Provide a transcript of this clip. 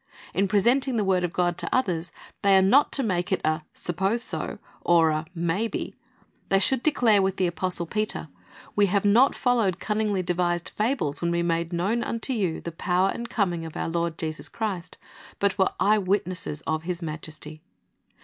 In presenting the word of God to others, they are not to make it a suppose so or a may be. They should declare with the apostle Peter, "We have not followed cunningly devised fables when w^e made known unto you the power and coming of our Lord Jesus Christ, but were eye witnesses of His majesty."